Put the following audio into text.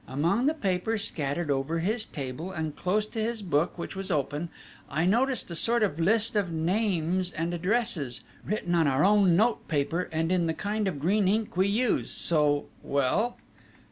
Among the papers scattered over his table, and close to his book, which was open, I noticed a sort of list of names and addresses, written on our own note paper, and in the kind of green ink we use so well